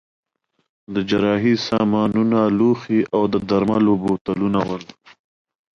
د جراحۍ سامانونه، لوښي او د درملو بوتلونه ول.